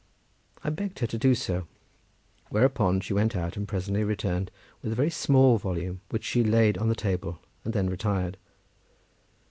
I begged her to do so. Whereupon she went out, and presently returned with a very small volume, which she laid on the table and then retired.